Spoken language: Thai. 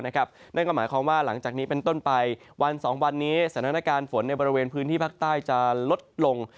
นั่นก็หมายความว่าหลังจากนี้เป็นต้นไปวัน๒วันนี้สถานการณ์ฝนในบริเวณพื้นที่ภาคใต้จะลดลง